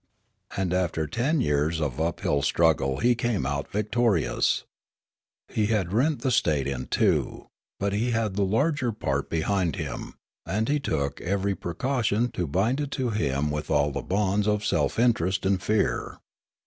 And after ten years of uphill struggle he came out victorious. He had rent the state in two ; but he had the larger part behind him; and he took every precau tion to bind it to him with all the bonds of self interest and fear.